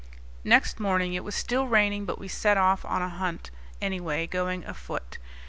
Next morning it was still raining, but we set off on a hunt, anyway, going afoot.